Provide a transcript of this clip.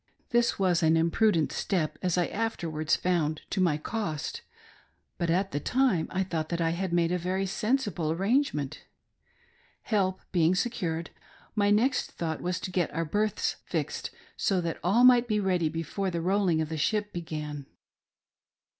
This was an imprudent step, as I afterwards found to my cost ; but at the time I thought that FIRST EXPERIENCES ON BOARD SHIP. 1 73 I had made a very sensible arrangement. Help bemg se cured, my next thought was to get our berths fixed, so that all might be ready before the rolling of the ship began.